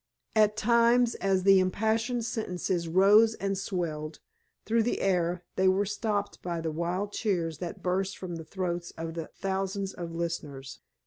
At times as the impassioned sentences rose and swelled through the air they were stopped by the wild cheers that burst from the throats of the thousands of listeners.